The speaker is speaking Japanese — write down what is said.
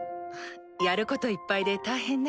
やることいっぱいで大変ね。